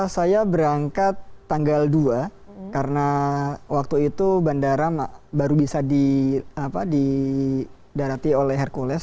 saya berangkat tanggal dua karena waktu itu bandara baru bisa didarati oleh hercules